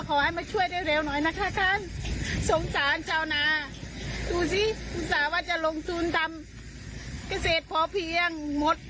หมูชิ้นสองตัวสงสารสงสารหมูแล้วบ้านก็ไหม้หมด